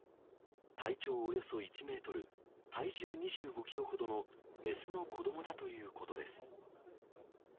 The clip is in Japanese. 体長およそ１メートル、体重２５キロほどの雌の子どもだということです。